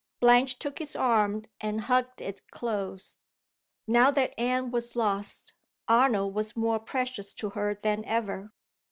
Blanche took his arm and hugged it close. Now that Anne was lost, Arnold was more precious to her than ever.